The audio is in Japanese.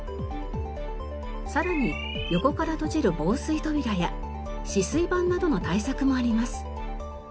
さらに横から閉じる防水扉や止水板などの対策もあります。